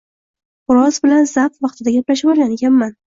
Xo‘roz bilan zap vaqtida gaplashvolgan ekanman